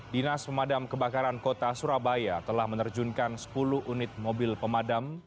dinas pemadam kebakaran kota surabaya telah menerjunkan sepuluh unit mobil pemadam